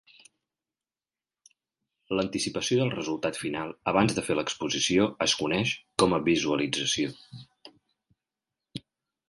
L'anticipació del resultat final abans de fer l'exposició es coneix com a "visualització".